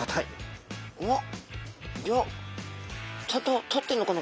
うわっちゃんと通ってるのかな？